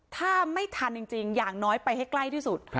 ถ้าไม่ทันจริงอย่างน้อยไปให้ใกล้ที่สุด